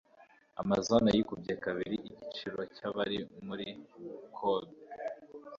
Amazu hano yikubye kabiri igiciro cyabari muri Kobe